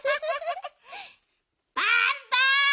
バンバン！